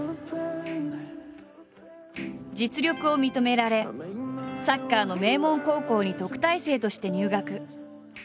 実力を認められサッカーの名門高校に特待生として入学。